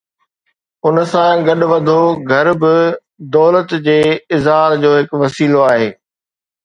ان سان گڏ وڏو گهر به دولت جي اظهار جو هڪ وسيلو آهي.